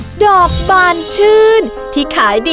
พี่ดาขายดอกบัวมาตั้งแต่อายุ๑๐กว่าขวบ